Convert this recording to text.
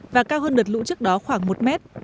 và cao hơn đợt lũ trước đó khoảng một mét